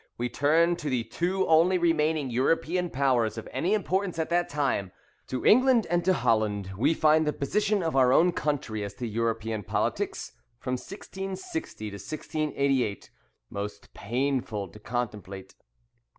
we turn to the two only remaining European powers of any importance at that time, to England and to Holland, we find the position of our own country as to European politics, from 1660 to 1688, most painful to contemplate.